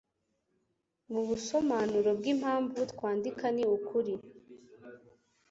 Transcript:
mu busomanuro bwimpamvu twandika ni ukuri